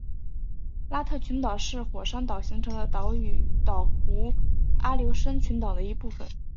拉特群岛是火山岛形成的岛弧阿留申群岛的一部分。